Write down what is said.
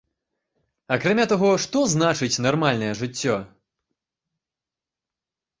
Акрамя таго, што значыць нармальнае жыццё?